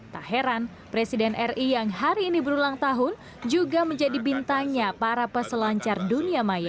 tak heran presiden ri yang hari ini berulang tahun juga menjadi bintangnya para peselancar dunia maya